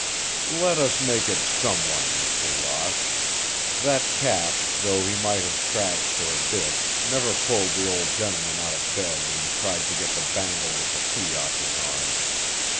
"Let us make it 'someone,' Mr. Ross! That cat, though he might have scratched or bit, never pulled the old gentleman out of bed, and tried to get the bangle with the key off his arm.